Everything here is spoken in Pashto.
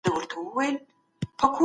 موږ بايد دا تشه ډکه کړو.